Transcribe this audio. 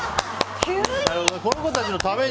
この子たちのために！